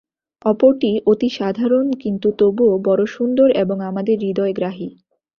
অপরটি অতি সাধারণ, কিন্তু তবুও বড় সুন্দর এবং আমাদের হৃদয়গ্রাহী।